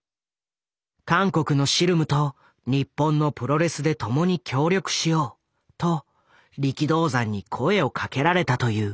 韓国のシルムと日本のプロレスで共に協力しようと力道山に声をかけられたという。